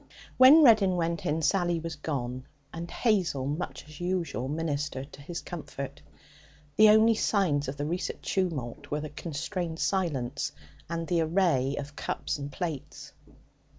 When Reddin went in, Sally was gone, and Hazel, much as usual, ministered to his comfort. The only signs of the recent tumult were the constrained silence and the array of cups and plates.